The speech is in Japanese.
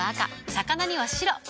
魚には白。